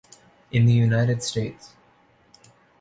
In the United States.